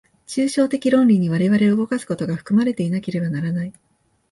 抽象論理的に我々を動かすことが含まれていなければならない。